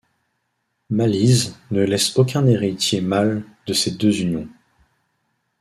Malise ne laisse aucun héritier mâle de ses deux unions.